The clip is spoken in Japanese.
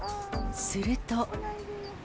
すると。